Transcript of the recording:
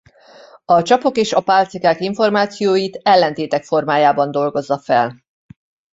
A csapok és a pálcikák információit ellentétek formájában dolgozza fel.